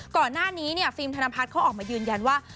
ก่อนหน้านี้ฟิล์มธนพัฒน์เขาออกมายืนยันว่า